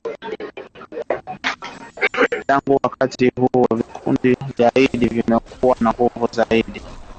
Tangu wakati huo vikundi vya kigaidi vimekuwa na nguvu zaidi.